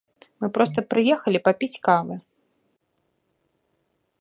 Мы проста прыехалі папіць кавы!